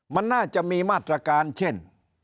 มันน่าจะมีมาตรการเช่น